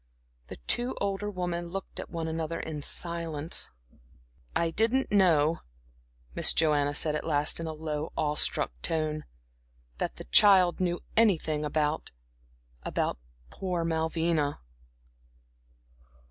The two older women looked at one another in silence. "I didn't know," Miss Joanna said at last in a low, awe struck tone "that the child knew anything about about poor Malvina."